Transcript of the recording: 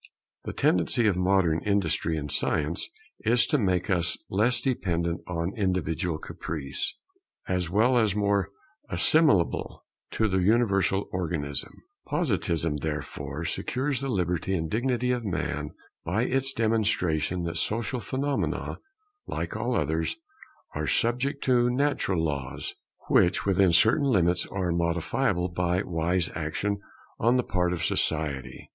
The tendency of modern industry and science is to make us less dependent on individual caprice, as well as more assimilable to the universal Organism. Positivism therefore secures the liberty and dignity of man by its demonstration that social phenomena, like all others, are subject to natural laws, which, within certain limits, are modifiable by wise action on the part of society.